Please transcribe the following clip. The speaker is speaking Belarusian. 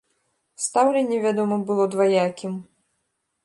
Стаўленне, вядома, было дваякім.